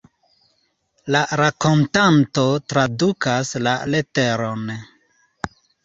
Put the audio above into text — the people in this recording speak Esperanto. La rakontanto tradukas la leteron.